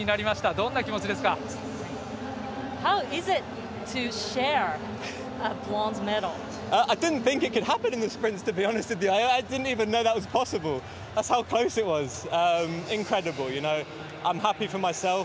どんな気持ちですか？